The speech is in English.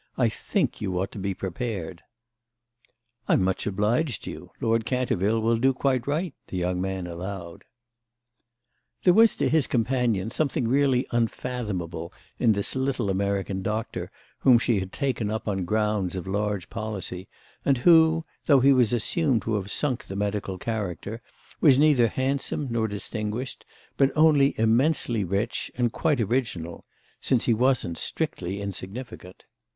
I think you ought to be prepared." "I'm much obliged to you. Lord Canterville will do quite right," the young man allowed. There was to his companion something really unfathomable in this little American doctor whom she had taken up on grounds of large policy and who, though he was assumed to have sunk the medical character, was neither handsome nor distinguished, but only immensely rich and quite original—since he wasn't strictly insignificant.